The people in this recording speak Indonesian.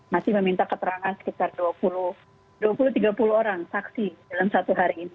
masih meminta keterangan sekitar dua puluh tiga puluh orang saksi dalam satu hari ini